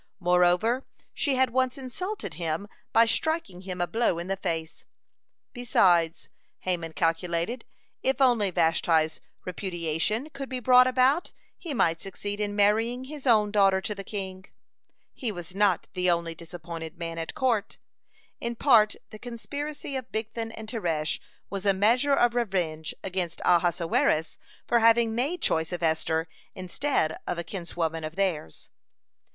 Moreover, she had once insulted him by striking him a blow in the face. Besides, Haman calculated, if only Vashti's repudiation could be brought about, he might succeed in marrying his own daughter to the king. (97) He was not the only disappointed man at court. In part the conspiracy of Bigthan and Teresh was a measure of revenge against Ahasuerus for having made choice of Esther instead of a kinswoman of theirs.